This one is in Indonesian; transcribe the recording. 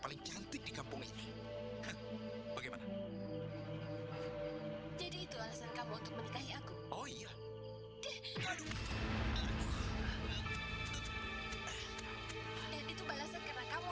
tapi ibu prayuga tidak benar benar mencintai aku